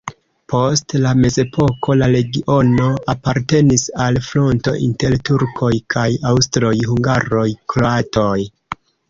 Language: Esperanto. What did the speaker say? Post la mezepoko la regiono apartenis al fronto inter turkoj kaj aŭstroj-hungaroj-kroatoj.